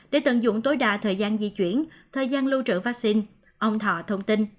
để tận dụng tối đa thời gian di chuyển thời gian lưu trữ vaccine ông thọ thông tin